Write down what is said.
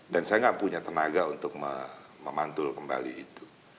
dan saya tidak punya tenaga untuk memantul kembali itu